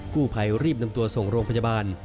คู่ไพรีบนำตัวส่งร่วงพยาบาล